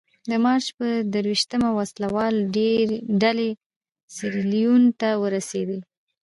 د مارچ په درویشتمه وسله والې ډلې سیریلیون ته ورسېدې.